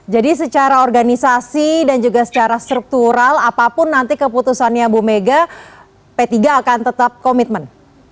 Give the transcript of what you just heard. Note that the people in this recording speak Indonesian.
jadi secara organisasi dan juga secara struktural apapun nanti keputusannya bu mega p tiga akan tetap komitmen